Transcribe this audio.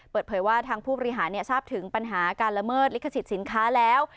เปิดเผยว่าทางผู้บริหารทราบถึงปัญหาการละเมิดลิขสิทธิ์สินค้าแล้ว